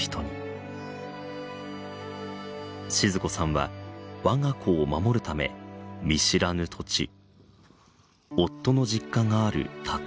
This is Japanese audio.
静子さんは我が子を守るため見知らぬ土地夫の実家がある立山町へ。